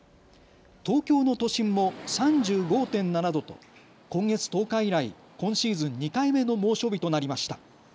東京の都心も３５．７度と今月１０日以来、今シーズン２回目の猛暑日となりました。